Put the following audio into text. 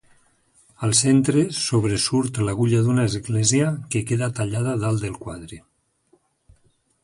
Al centre sobresurt l'agulla d'una església que queda tallada dalt del quadre.